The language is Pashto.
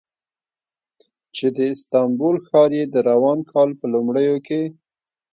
چې د استانبول ښار یې د روان کال په لومړیو کې